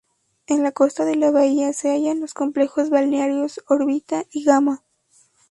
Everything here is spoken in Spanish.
En la costa de la bahía se hallan los complejos balnearios "Orbita" y "Gamma".